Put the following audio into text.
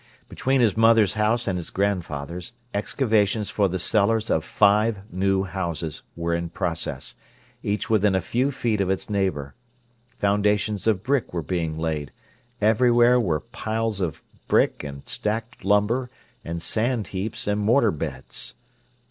Between his mother's house and his grandfather's, excavations for the cellars of five new houses were in process, each within a few feet of its neighbour. Foundations of brick were being laid; everywhere were piles of brick and stacked lumber, and sand heaps and mortar beds.